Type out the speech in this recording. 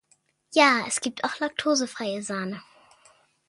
Ja, es gibt auch laktosefreie Sahne.